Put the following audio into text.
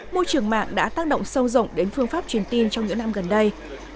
môi trường mạng đã tác động sâu rộng đến phương pháp truyền tin trong những năm gần đây